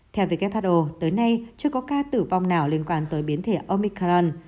theo who tới nay chưa có ca tử vong nào liên quan tới biến thể omican